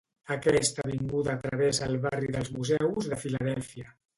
Aquesta avinguda travessa el barri dels museus de Filadèlfia.